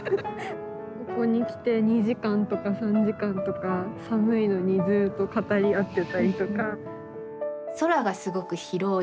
ここに来て２時間とか３時間とか寒いのにずっと語り合ってたりとか。